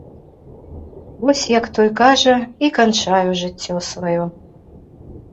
Вось, як той кажа, і канчаю жыццё сваё!